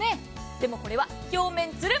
でも、これは表面ツルン。